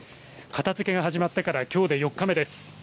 片づけが始まってからきょうで４日目です。